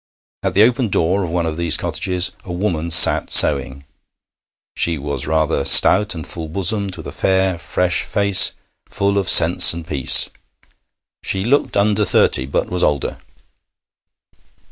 At the open door of one of these cottages a woman sat sewing. She was rather stout and full bosomed, with a fair, fresh face, full of sense and peace; she looked under thirty, but was older.